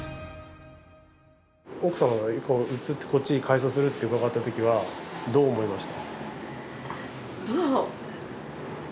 奥様はこっち改装するってうかがったときはどう思いました？